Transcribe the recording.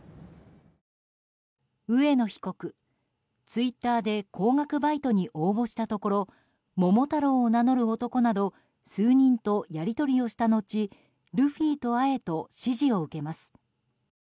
上野被告、ツイッターで高額バイトに応募したところ桃太郎を名乗る男など数人とやり取りをした後ルフィと会えと指示を受けます。